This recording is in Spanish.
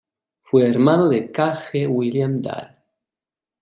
Fue hermano de K. G. William Dahl.